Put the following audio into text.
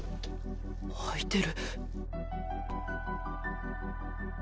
開いてる。